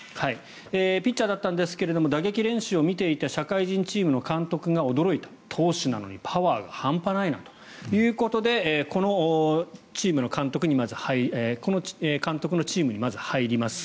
ピッチャーだったんですが打撃練習を見ていた社会人チームの監督が驚いた投手なのにパワーが半端ないなということでこの監督のチームにまず入ります。